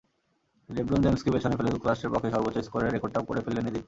LeBron জেমসকে পেছনে ফেলে যুক্তরাষ্ট্রের পক্ষে সর্বোচ্চ স্কোরের রেকর্ডটাও করে ফেললেন এদিন।